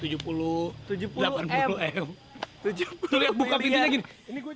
tuh lihat buka pintunya gini